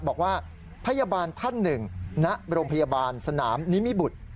บอกว่าพยาบาลท่านหนึ่งณโรงพยาบาลสนามนิมิบุตร